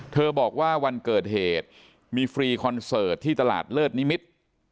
บอกว่าวันเกิดเหตุมีฟรีคอนเสิร์ตที่ตลาดเลิศนิมิตร